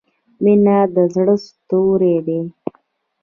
• مینه د زړۀ ستوری دی.